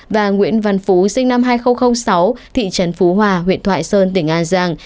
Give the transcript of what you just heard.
và nguyễn văn phú sinh năm hai nghìn sáu thị trấn phú hòa huyện thoại sơn tỉnh an giang